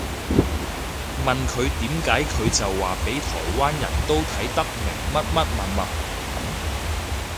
問佢點解佢就話畀台灣人都睇得明乜乜物物